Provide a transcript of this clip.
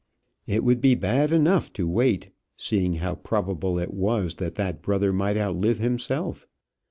It would be bad enough to wait, seeing how probable it was that that brother might outlive himself.